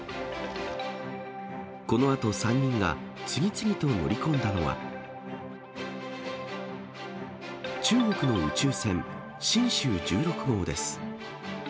このあと３人が次々と乗り込んだのは、中国の宇宙船、神舟１６号です。